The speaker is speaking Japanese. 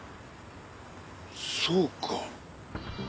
そうか。